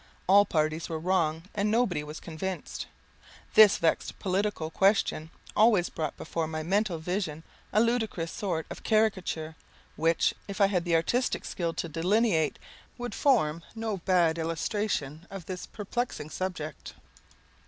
All parties were wrong, and nobody was convinced. This vexed political question always brought before my mental vision a ludicrous sort of caricature, which, if I had the artistic skill to delineate, would form no bad illustration of this perplexing subject.